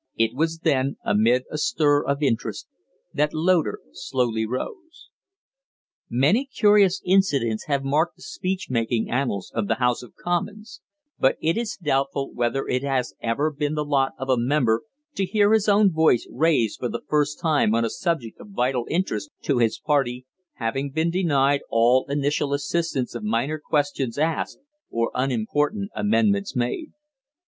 It was then, amid a stir of interest, that Loder slowly rose. Many curious incidents have marked the speech making annals of the House of Commons, but it is doubtful whether it has ever been the lot of a member to hear his own voice raised for the first time on a subject of vital interest to his party, having been denied all initial assistance of minor questions asked or unimportant amendments made.